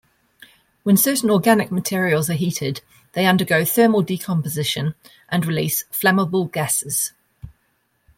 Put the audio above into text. When certain organic materials are heated, they undergo thermal decomposition and release flammable gases.